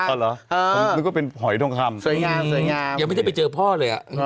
อ๋อเหรอผมนึกว่าเป็นหอยทองคำสวยงามยังไม่ได้ไปเจอพ่อเลย